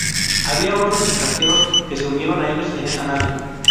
Había otros extranjeros que se unieron a ellos en esa nave.